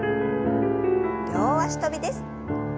両脚跳びです。